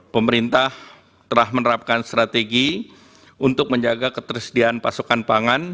pemerintah telah menerapkan strategi untuk menjaga ketersediaan pasokan pangan